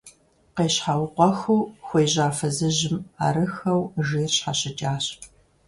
Къещхьэукъуэхыу хуежьа фызыжьым арыххэу жейр щхьэщыкӀащ.